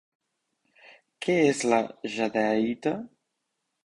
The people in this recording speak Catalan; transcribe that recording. Què és la jadeïta?